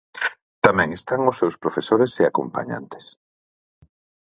Tamén están os seus profesores e acompañantes.